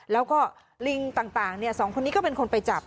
แล้วก็ลิงต่างสองคนนี้ก็เป็นคนไปจับ